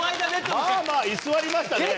まあまあ居座りましたね。